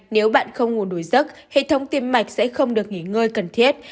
nếu bạn không ngủ đuổi giấc hệ thống tim mạch sẽ không được nghỉ ngơi cần thiết